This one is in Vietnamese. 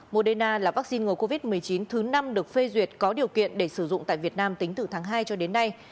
moderna là vaccine ngừa covid một mươi chín thứ năm được phê duyệt có điều kiện để sử dụng tại việt nam tính từ tháng hai cho đến nay